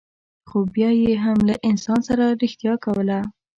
خو بیا یې هم له انسان سره رښتیا کوله.